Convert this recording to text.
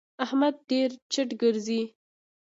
احمد ډېر چټ ګرځي.